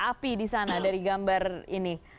api disana dari gambar ini